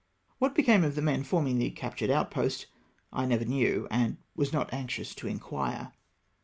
What became of the men forming the captured outpost I never knew, and was not anxious to inquire.